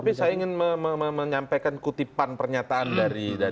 tapi saya ingin menyampaikan kutipan pernyataan dari